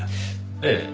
ええ。